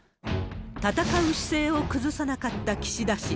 戦う姿勢を崩さなかった岸田氏。